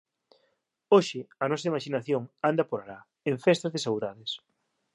Hoxe a nosa imaxinación anda por alá, en festa de saudades